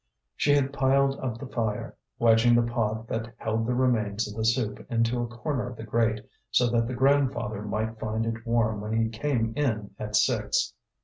She had piled up the fire, wedging the pot that held the remains of the soup into a corner of the grate, so that the grandfather might find it warm when he came in at six.